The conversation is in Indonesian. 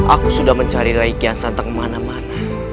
aku sudah mencari reikian santang kemana mana